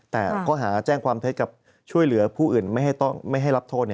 แต่ข้อหาแจ้งความเท็จกับช่วยเหลือผู้อื่นไม่ให้รับโทษ